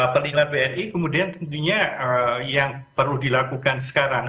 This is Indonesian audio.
panglima tni kemudian tentunya yang perlu dilakukan sekarang